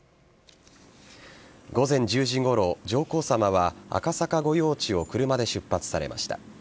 午前１０時ごろ上皇さまは赤坂御用地を車で出発されました。